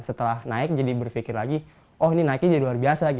setelah naik jadi berpikir lagi oh ini naiknya jadi luar biasa